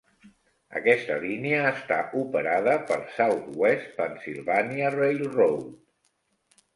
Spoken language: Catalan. Aquesta línia està operada per Southwest Pennsylvania Railroad.